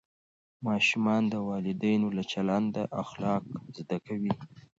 ماشومان د والدینو له چلنده اخلاق زده کوي.